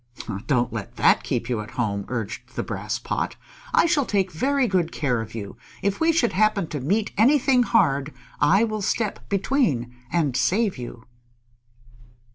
"Don't let that keep you at home," urged the Brass Pot. "I shall take very good care of you. If we should happen to meet anything hard I will step between and save you."